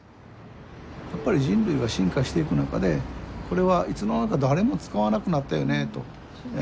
やっぱり人類は進化していく中でこれはいつの間にか誰も使わなくなったよねと。